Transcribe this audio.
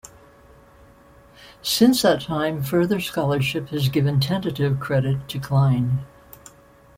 Since that time, further scholarship has given tentative credit to Klein.